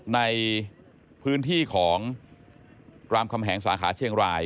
ในพื้นที่ของรามคำแหงสาขาเชียงราย